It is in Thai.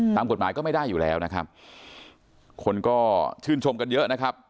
ตามกฎหมายก็ไม่ได้อยู่แล้วนะครับคนก็ชื่นชมกันเยอะนะครับ